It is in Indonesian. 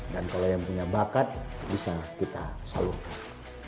dan kalau yang punya bakat bisa kita salurkan